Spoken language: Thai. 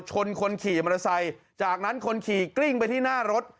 ชนคนขี่มอเตอร์ไซค์จากนั้นคนขี่กลิ้งไปที่หน้ารถ